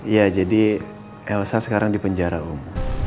iya jadi elsa sekarang dipenjara om